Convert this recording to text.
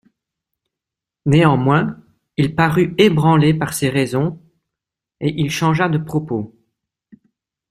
Néanmoins il parut ébranlé par ces raisons et il changea de propos.